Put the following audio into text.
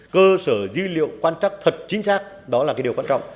cơ sở dữ liệu quan trắc thật chính xác đó là cái điều quan trọng